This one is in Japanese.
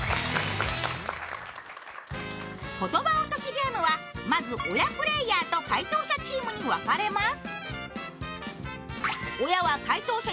ゲームはまず親プレーヤーと回答者チームに分かれます。